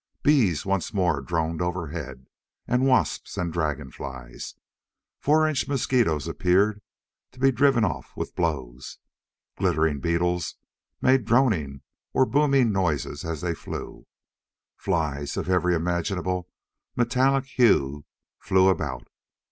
Bees once more droned overhead, and wasps and dragonflies. Four inch mosquitoes appeared, to be driven off with blows. Glittering beetles made droning or booming noises as they flew. Flies of every imaginable metallic hue flew about.